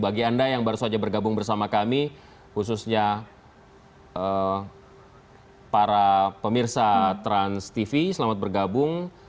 bagi anda yang baru saja bergabung bersama kami khususnya para pemirsa transtv selamat bergabung